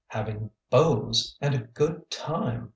having beaus! and a good time